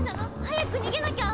早く逃げなきゃ！